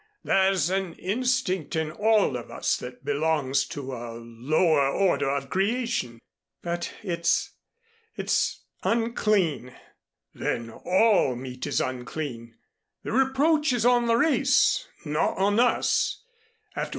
There's an instinct in all of us that belongs to a lower order of creation." "But it it's unclean " "Then all meat is unclean. The reproach is on the race not on us.